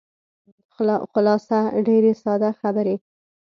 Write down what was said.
خلاصه ډېرې ساده خبرې.